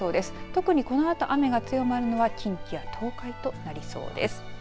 特に、このあと雨が強まるのは近畿や東海となりそうです。